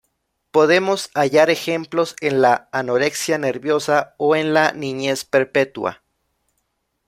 Podemos hallar ejemplos en la anorexia nerviosa o en la "niñez perpetua".